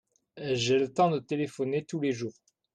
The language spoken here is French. J'ai le temps de téléphoner tous les jours.